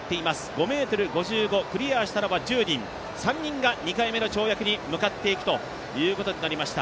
５ｍ５５、クリアしたのは１０人２回目の跳躍に向かっていくということになりました。